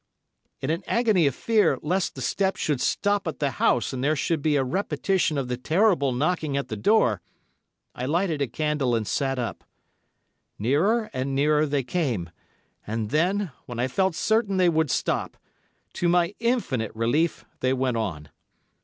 In an agony of fear, lest the steps should stop at the house and there should be a repetition of the terrible knocking at the door, I lighted a candle and sat up. Nearer and nearer they came, and then, when I felt certain they would stop, to my infinite relief they went on.